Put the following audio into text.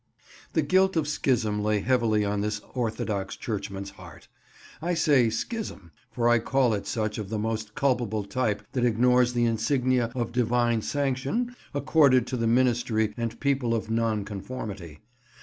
The guilt of schism lay heavily on this orthodox Churchman's heart. I say schism, for I call it such of the most culpable type that ignores the insignia of Divine sanction accorded to the Ministry and people of Nonconformity.